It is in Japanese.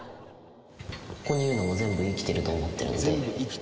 ここにいるのも全部生きてると思ってるんで。